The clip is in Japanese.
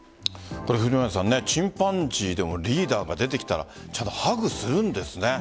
チンパンジーでもリーダーが出てきたらちゃんとハグするんですね。